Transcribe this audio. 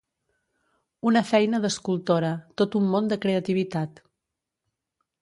Una feina d'escultora, tot un món de creativitat.